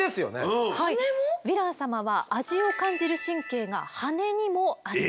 ヴィラン様は味を感じる神経が羽にもあります。